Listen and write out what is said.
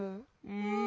うん。